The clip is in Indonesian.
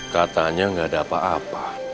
katanya nggak ada apa apa